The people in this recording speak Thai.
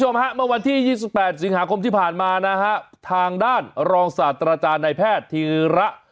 เออน่ารู้ไปดูข้อมูลชุดนี้หน่อยครับ